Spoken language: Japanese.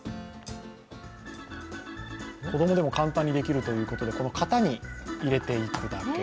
子供でも簡単にできるということで、型に入れるだけ。